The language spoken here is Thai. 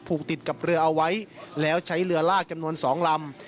ผูกติดกับเรือเอาไว้แล้วใช้เรือลากจำนวน๒ลำ